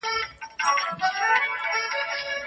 کثافات په یوه کڅوړه کې وتړئ.